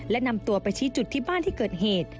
และนำตัวไปชี้จุดที่บ้านที่เกิดเหตุ